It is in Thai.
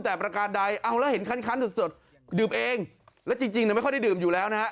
แต่ประกาศใดเอาล่ะเห็นคันสดดืมเองและจริงนะว่าไม่ค่อยได้ดื่มอยู่แล้วนะครับ